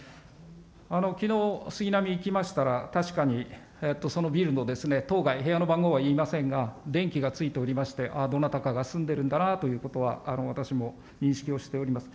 きのう、杉並に行きましたら、確かにそのビルの当該、部屋の番号は言いませんが、電気がついておりまして、ああ、どなたかが住んでるんだなということは、私も認識をしております。